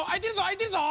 あいてるぞ！